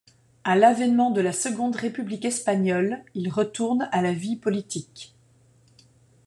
À l'avènement de la Seconde République espagnole, il retourne à la vie politique.